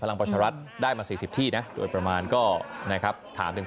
พลังประชารัฐได้มา๔๐ที่นะโดยประมาณก็นะครับถามถึง